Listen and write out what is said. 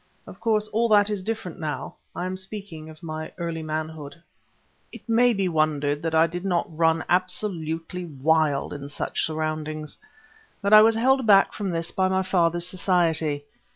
Of course, all that is different now, I am speaking of my early manhood. It may be wondered that I did not run absolutely wild in such surroundings, but I was held back from this by my father's society.